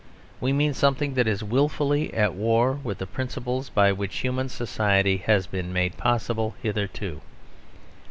We mean something that is wilfully at war with the principles by which human society has been made possible hitherto.